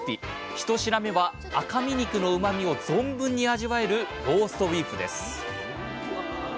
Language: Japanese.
１品目は赤身肉のうまみを存分に味わえるローストビーフです。